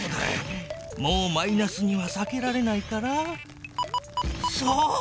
もうマイナスにはさけられないからそう！